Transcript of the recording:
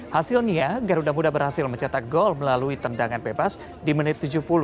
hasilnya garuda muda berhasil mencetak gol melalui tendangan bebas di menit tujuh puluh